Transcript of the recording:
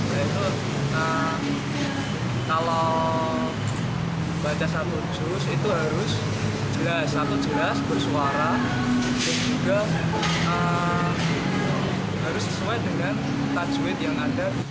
yaitu kalau baca satu jus itu harus jelas satu jelas bersuara dan juga harus sesuai dengan tajwid yang ada